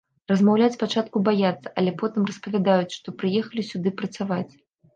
Размаўляць спачатку баяцца, але потым распавядаюць, што прыехалі сюды працаваць.